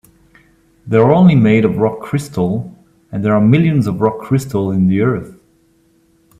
They're only made of rock crystal, and there are millions of rock crystals in the earth.